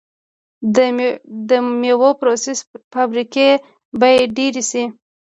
د میوو پروسس فابریکې باید ډیرې شي.